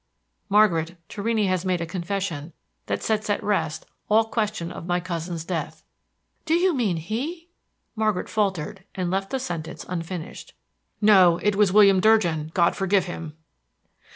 "Margaret, Torrini has made a confession that sets at rest all question of my cousin's death." "Do you mean that he" Margaret faltered, and left the sentence unfinished. "No; it was William Durgin, God forgive him!"